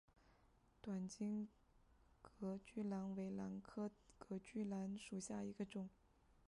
短茎隔距兰为兰科隔距兰属下的一个种。